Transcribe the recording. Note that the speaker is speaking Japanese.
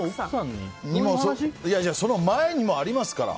その前にもありますから。